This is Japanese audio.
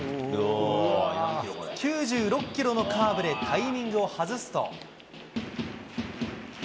９６キロのカーブでタイミングを外すと。